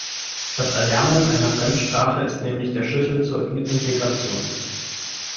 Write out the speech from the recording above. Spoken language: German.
Das Erlernen einer Fremdsprache ist nämlich der Schlüssel zur Integration.